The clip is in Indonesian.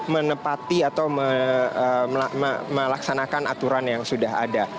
menepati atau melaksanakan aturan yang sudah ada